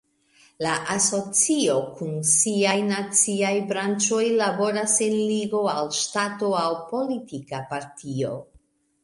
La asocio kun siaj naciaj branĉoj laboras sen ligo al ŝtato aŭ politika partio.